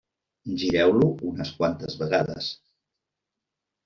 Gireu-lo unes quantes vegades.